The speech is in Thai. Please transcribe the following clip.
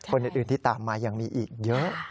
คนอื่นที่ตามมายังมีอีกเยอะ